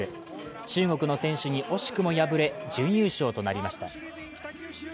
中国の選手に惜しくも敗れ、準優勝となりました。